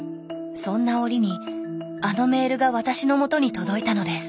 そんな折にあのメールが私のもとに届いたのです。